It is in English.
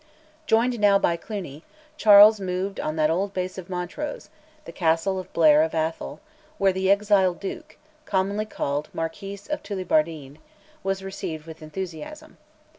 Joined now by Cluny, Charles moved on that old base of Montrose, the Castle of Blair of Atholl, where the exiled duke (commonly called Marquis of Tullibardine) was received with enthusiasm.